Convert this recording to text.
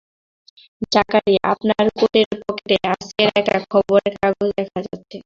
জাকারিয়া, আপনার কোটের পকেটে আজকের একটা খবরের কাগজ দেখা যাচ্ছে।